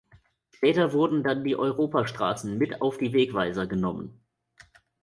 Später wurden dann die Europastraßen mit auf die Wegweiser genommen.